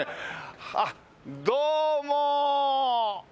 あっどうも！